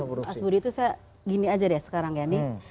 merespon asbudi itu saya gini aja deh sekarang ya